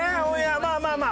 まあまあまあ。